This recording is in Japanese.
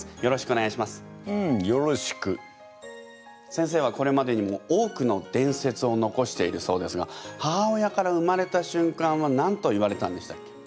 先生はこれまでにも多くの伝説を残しているそうですが母親から生まれた瞬間は何と言われたんでしたっけ？